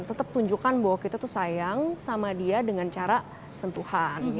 tetap tunjukkan bahwa kita tuh sayang sama dia dengan cara sentuhan